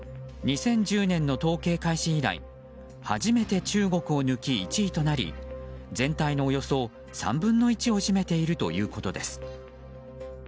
２０１０年の統計開始以来初めて中国を抜き１位となり全体のおよそ３分の１を占めているということです。